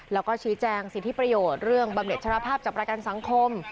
แล้วก็ชี้แจงสิทธิประโยชน์เรื่องบำเน็ชรภาพจากประกันสังคม